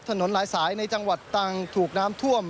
ถนนหลายสายในจังหวัดตังถูกน้ำท่วม